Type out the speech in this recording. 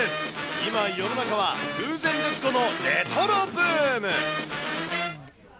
今、世の中は空前絶後のレトロブーム。